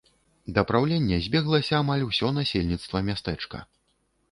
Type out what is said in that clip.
Да праўлення збеглася амаль усё насельніцтва мястэчка.